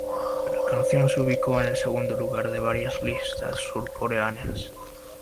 La canción se ubicó en el segundo lugar de varias listas surcoreanas.